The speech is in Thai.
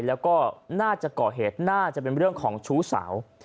แล้วก็น่าจะก่อเหตุน่าจะเป็นเรื่องของชู้สาว